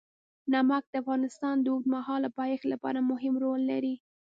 نمک د افغانستان د اوږدمهاله پایښت لپاره مهم رول لري.